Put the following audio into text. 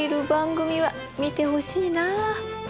番組は見てほしいなあ。